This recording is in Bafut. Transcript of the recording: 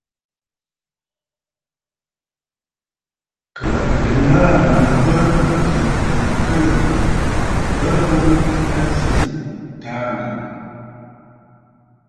Kə̀ à lɛ mbaà m̀bə bə ǹjə̀ə̀ təə təə ò, bəə boŋ a zi tsiꞌì taaŋgɔ̀ŋə̀.